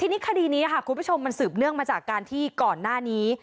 ทีนี้คดีนี้ค่ะคุณผู้ชมมันสืบเนื่องมาจากการที่ก่อนหน้านี้